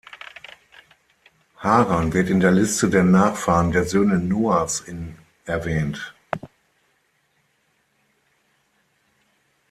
Haran wird in der Liste der Nachfahren der Söhne Noachs in erwähnt.